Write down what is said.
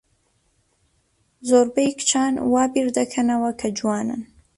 زۆربەی کچان وا بیردەکەنەوە کە جوانن.